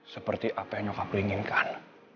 seperti apa yang aku inginkan